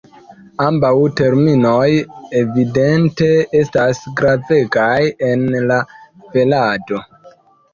Ambaŭ terminoj evidente estas gravegaj en la velado.